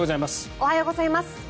おはようございます。